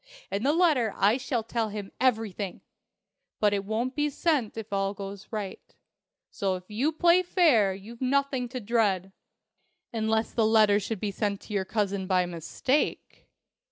In the letter I shall tell him everything. But it won't be sent if all goes right. So if you play fair you've nothing to dread." "Unless the letter should be sent to your cousin by mistake."